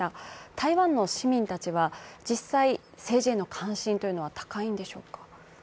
台湾の市民たちは実際、政治への関心というのは高いんでしょうか。